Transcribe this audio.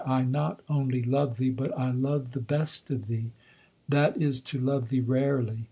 I not only love thee, but I love the best of thee, that is to love thee rarely.